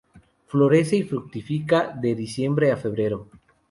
Florece y fructifica de diciembre a febrero.